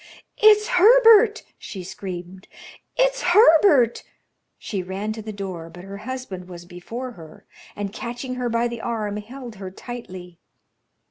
"It's Herbert!" she screamed. "It's Herbert!" She ran to the door, but her husband was before her, and catching her by the arm, held her tightly.